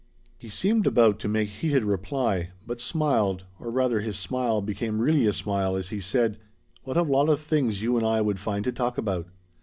He seemed about to make heated reply, but smiled, or rather his smile became really a smile as he said: "What a lot of things you and I would find to talk about."